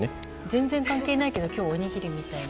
全然関係ないけど今日おにぎりみたいな。